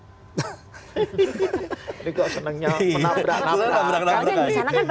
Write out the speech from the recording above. ini kok senangnya menabrak nabrak